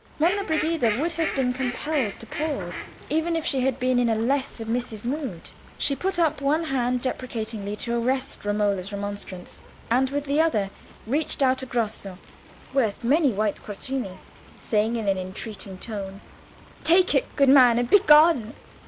Monna Brigida would have been compelled to pause, even if she had been in a less submissive mood. She put up one hand deprecatingly to arrest Romola's remonstrance, and with the other reached out a grosso, worth many white quattrini, saying, in an entreating tone— "Take it, good man, and begone."